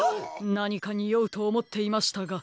なにかにおうとおもっていましたが。